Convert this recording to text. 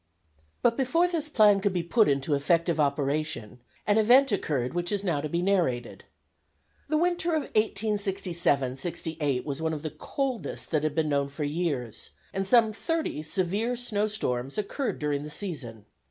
But before this plan could be put into effective operation, an event occurred which is now to be narrated: The winter of 1867 68 was one of the coldest that had been known for years, and some thirty severe snowstorms occurred during the season.